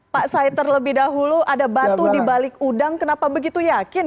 pak said terlebih dahulu ada batu di balik udang kenapa begitu yakin